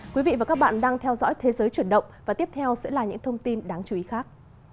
quý vị và các bạn đang theo dõi thế giới chuyển động và tiếp theo sẽ là những thông tin đáng chú ý khác